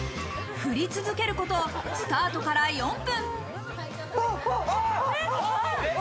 振り続けることスタートから４分。